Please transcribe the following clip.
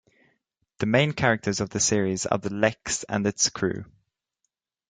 The main characters of the series are the Lexx and its crew.